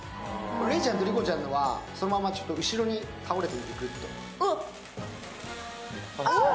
礼ちゃんと莉子ちゃんはそのまま後ろに倒れて。